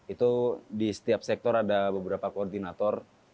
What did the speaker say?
itu di setiap sektor ada beberapa koordinator